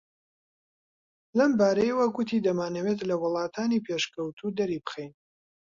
لەمبارەیەوە گوتی دەمانەوێت لە وڵاتانی پێشکەوتوو دەری بخەین